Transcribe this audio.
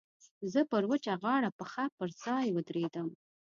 زه پر وچه غاړه پښه پر ځای ودرېدم.